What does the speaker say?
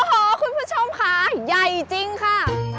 โอ้โหคุณผู้ชมค่ะใหญ่จริงค่ะ